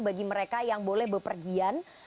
bagi mereka yang boleh bepergian